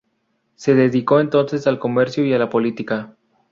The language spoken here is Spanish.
Se dedicó entonces al comercio y a la política.